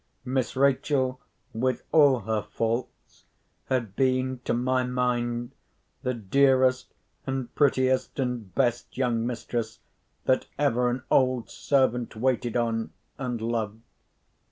Miss Rachel, with all her faults, had been, to my mind, the dearest and prettiest and best young mistress that ever an old servant waited on, and loved.